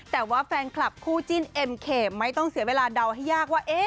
แต่ว่าแฟนคลับคู่จิ้นเอ็มเขมไม่ต้องเสียเวลาเดาให้ยากว่า